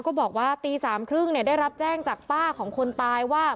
ก็บอกว่าตีสามครึ่งเนี่ยได้รับแจ้งจากป้าของคนตายว่า